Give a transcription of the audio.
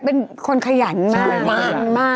เป็นคนขยันมาก